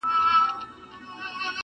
او د زړه درد رسېدلی.